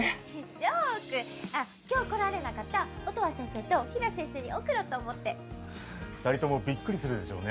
ジョーク今日来られなかった音羽先生と比奈先生に送ろうと思って二人ともビックリするでしょうね